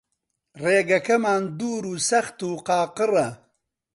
ڕێگەمان دوور و سەخت و قاقڕە